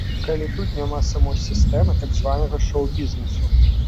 Калі тут няма самой сістэмы так званага шоу-бізнесу!